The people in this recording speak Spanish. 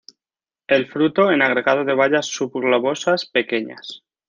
El fruto en agregado de bayas subglobosas, pequeñas.